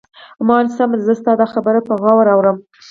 ما وویل: سمه ده، زه ستا دا خبره په غور اورم.